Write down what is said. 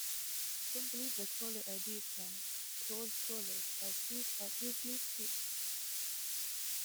Don't believe the caller id from cold callers as these are easily spoofed.